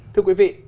thưa quý vị